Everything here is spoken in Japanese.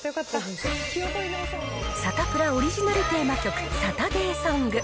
サタプラオリジナルテーマ曲、サタデーソング。